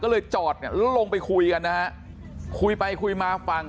ก็เลยจอดลงไปคุยกันนะฮะคุยไปคุยมาฟัง